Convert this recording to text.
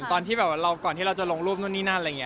ก่อนที่เราจะลงรูปนู่นนี่นั่นอะไรอย่างนี้